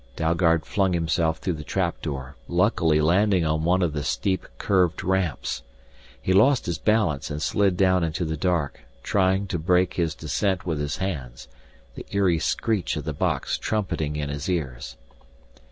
Dalgard flung himself through the trap door, luckily landing on one of the steep, curved ramps. He lost his balance and slid down into the dark, trying to brake his descent with his hands, the eerie screech of the box trumpeting in his ears.